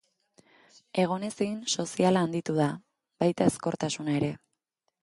Egonezin soziala handitu da, baita ezkortasuna ere.